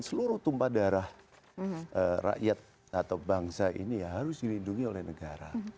seluruh tumpah darah rakyat atau bangsa ini harus dilindungi oleh negara